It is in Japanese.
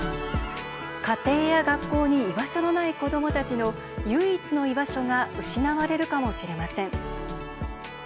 家庭や学校に居場所のない子どもたちの唯一の居場所が失われるかもしれません。